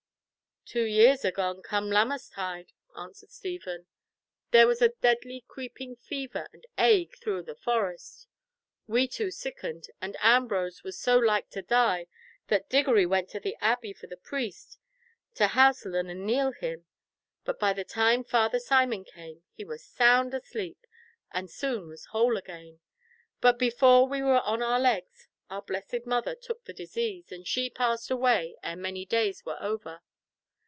"Two years agone come Lammastide," answered Stephen. "There was a deadly creeping fever and ague through the Forest. We two sickened, and Ambrose was so like to die that Diggory went to the abbey for the priest to housel and anneal him, but by the time Father Simon came he was sound asleep, and soon was whole again. But before we were on our legs, our blessed mother took the disease, and she passed away ere many days were over.